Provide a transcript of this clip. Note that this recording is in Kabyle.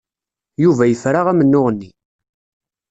Yuba yefra amennuɣ-nni.